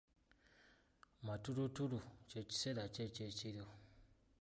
Matulutulu kye kiseera ki eky’ekiro?